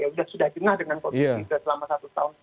sudah jenah dengan kondisi selama satu lima tahun terakhir